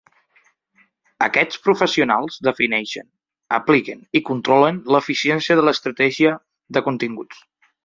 Aquests professionals defineixen, apliquen i controlen l'eficiència de l'estratègia de continguts.